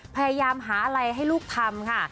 พยายามหาอะไรให้ลูกทำค่ะ